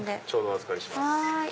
ちょうどお預かりします。